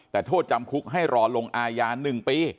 แต่โทษจำคุกให้รอลงอายา๑ปี